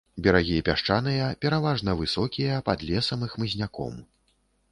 Берагі пясчаныя, пераважна высокія, пад лесам і хмызняком.